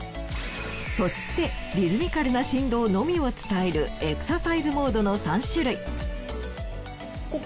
そしてリズミカルな振動のみを伝えるエクササイズモードの３種類。